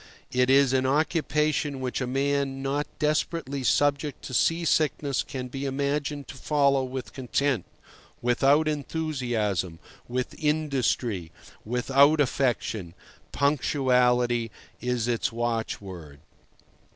It is an occupation which a man not desperately subject to sea sickness can be imagined to follow with content, without enthusiasm, with industry, without affection. Punctuality is its watchword.